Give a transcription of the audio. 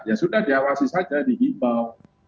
ya sudah diawasi saja dihimbau